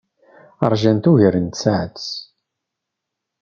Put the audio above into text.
Ṛjant ugar n tsaɛet.